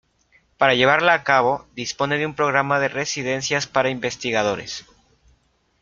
Para llevarla a cabo, dispone de un programa de residencias para investigadores.